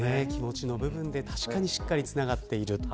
気持ちの部分で確かにしっかりつながっている。